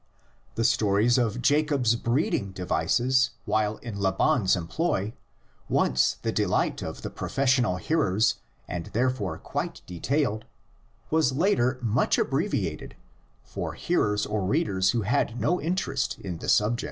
The stories of Jacob's breeding devices while in Laban's employ, once the delight of the professional hearers and therefore quite detailed, were later much abbreviated for hearers or readers who had no interest in the subject.